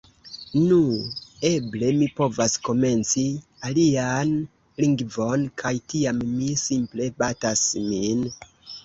«Nu... Eble mi povas komenci alian lingvon» kaj tiam mi simple batas min